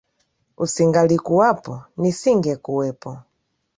Usingalikuwapo nisingekuwepo.